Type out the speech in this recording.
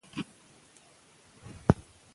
که سینما وي نو کیسه نه پاتیږي.